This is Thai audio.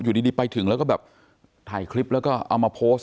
อยู่ดีไปถึงแล้วก็แบบถ่ายคลิปแล้วก็เอามาโพสต์